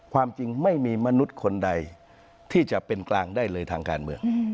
ความจริงไม่มีมนุษย์คนใดที่จะเป็นกลางได้เลยทางการเมือง